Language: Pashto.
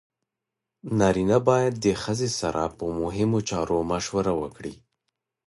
نارینه باید د ښځې سره په مهمو چارو مشوره وکړي.